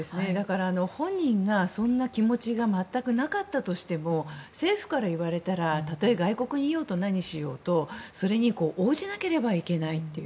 本人がそんな気持ちが全くなかったとしても政府から言われたらたとえ外国にいようが何しようかそれに応じなければいけないという。